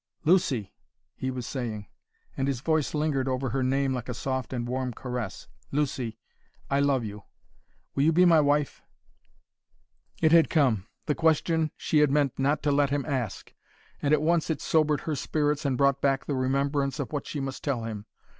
"Lucy!" he was saying, and his voice lingered over her name like a soft and warm caress, "Lucy! I love you. Will you be my wife?" It had come, the question she had meant not to let him ask, and at once it sobered her spirits and brought back the remembrance of what she must tell him.